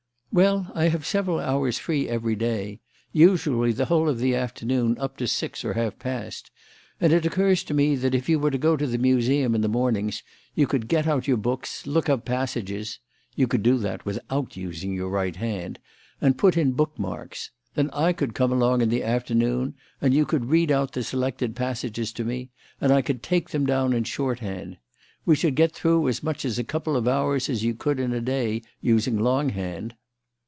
"Well, I have several hours free every day usually, the whole of the afternoon up to six or half past and it occurs to me that if you were to go to the Museum in the mornings you could get out your books, look up passages (you could do that without using your right hand), and put in book marks. Then I could come along in the afternoon and you could read out the selected passages to me, and I could take them down in shorthand. We should get through as much in a couple of hours as you could in a day using longhand."